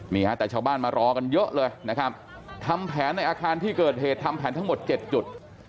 นี่ฮะแต่ชาวบ้านมารอกันเยอะเลยนะครับทำแผนในอาคารที่เกิดเหตุทำแผนทั้งหมด๗จุด